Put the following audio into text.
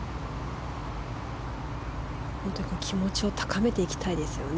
気持ちを高めていきたいですよね。